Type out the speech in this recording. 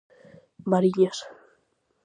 Mariñas.